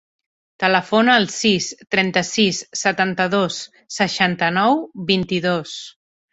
Telefona al sis, trenta-sis, setanta-dos, seixanta-nou, vint-i-dos.